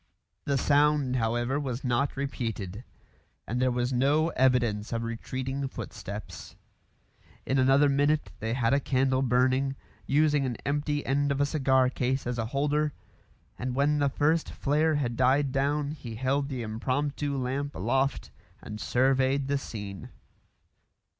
The sound, however, was not repeated; and there was no evidence of retreating footsteps. In another minute they had a candle burning, using an empty end of a cigar case as a holder; and when the first flare had died down he held the impromptu lamp aloft and surveyed the scene.